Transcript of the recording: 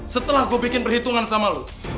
setelah gue bikin perhitungan sama lo